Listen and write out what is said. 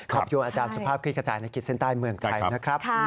ขอบคุณอาจารย์สภาพกิจกระจายนกิจเซ็นต์ใต้เมืองไทยนะครับ